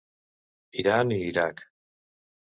Iran i Iraq.